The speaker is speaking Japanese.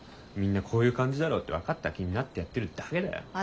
みんな「こういう感じだろ」って分かった気になってやってるだけだよ。